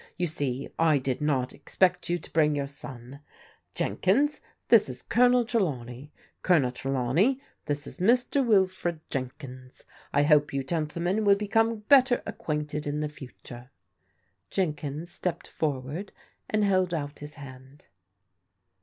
You see, I did not expect you to bring your son. Jenkins, this is Colonel Trelawney. Colonel Trelawney, this is Mr. Wilfred Jenkins. I hope you gentlemen will become better acquainted in the futiure." Jenkms stepped for ward and held out his hand.